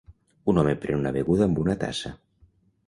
Un home pren una beguda amb una tassa.